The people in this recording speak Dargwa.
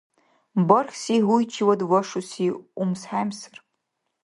Бархьси гьуйчивад вашуси умсхӀемсар.